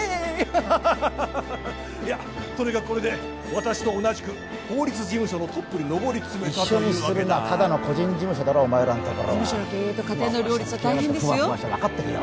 ハハハいやとにかくこれで私と同じく法律事務所のトップに上りつめたというわけだ一緒にするなただの個人事務所だろお前らのところは事務所の経営と家庭の両立は大変ですよ分かってるよ